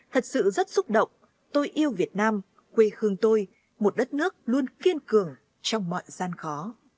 thật sự rất xúc động tôi yêu việt nam quê khương tôi một đất nước luôn kiên cường trong mọi gian khó